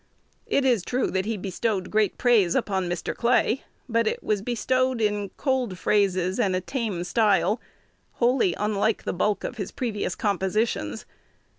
It is true that he bestowed great praise upon Mr. Clay; but it was bestowed in cold phrases and a tame style, wholly unlike the bulk of his previous compositions.